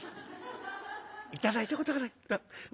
頂いたことがない。